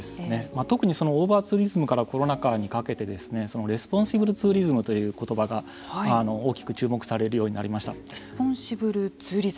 特にオーバーツーリズムからコロナ禍にかけてレスポンシブルツーリズムという言葉が大きく注目されるようにレスポンシブル